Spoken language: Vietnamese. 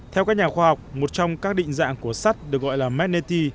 theo các nhà khoa học một trong các định dạng của sắt được gọi là menety